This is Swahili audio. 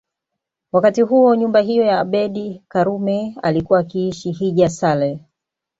Wakati huo nyumba hiyo ya Abeid Karume alikuwa akiishi Hija Saleh